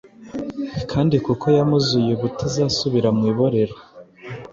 Kandi kuko yamuzuye ubutazasubira mu iborero,